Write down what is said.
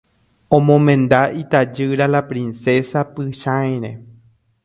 Omomenda itajýra la Princesa Pychãire.